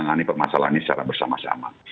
menangani permasalahan ini secara bersama sama